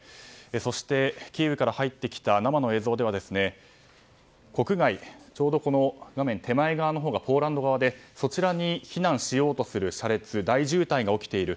そして、キーウから入ってきた生の映像では国外、ちょうど画面手前側のほうがポーランド側でそちらに避難しようとする車列大渋滞が起きている。